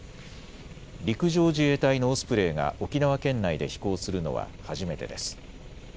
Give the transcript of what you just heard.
陸上自衛隊のオスプレイが沖縄県内で飛行するのは初めてです。